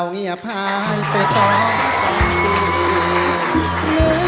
เผ่าอย่าพาให้ไปต่อไป